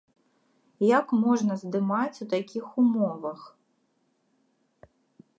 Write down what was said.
Як можна здымаць у такіх умовах?